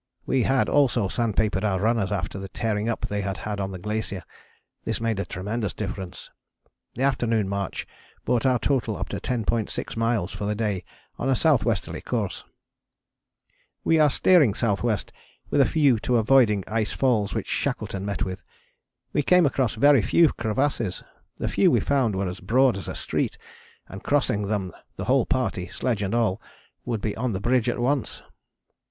We had also sandpapered our runners after the tearing up they had had on the glacier; this made a tremendous difference. The afternoon march brought our total up to 10.6 miles for the day on a S.W. course. We are steering S.W. with a view to avoiding ice falls which Shackleton met with. We came across very few crevasses; the few we found were as broad as a street, and crossing them the whole party, sledge and all, would be on the bridge at once.